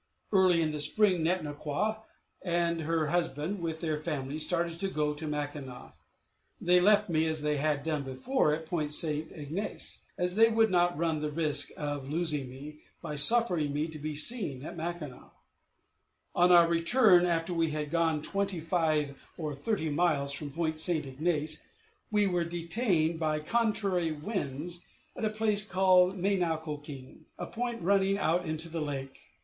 Early in the spring, Net no kwa and her husband, with their family, started to go to Mackinac. They left me, as they had done before, at Point St. Ignace, as they would not run the risk of losing me by suffering me to be seen at Mackinac. On our return, after we had gone twenty five or thirty miles from Point St. Ignace, we were detained by contrary winds at a place called Me nau ko king, a point running out into the lake.